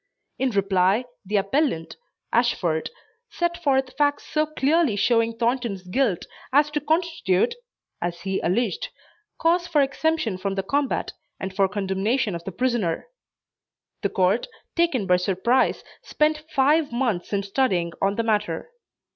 In reply, the appellant, Ashford, set forth facts so clearly showing Thornton's guilt as to constitute (as he alleged,) cause for exemption from the combat, and for condemnation of the prisoner. The court, taken by surprise, spent five months in studying on the matter.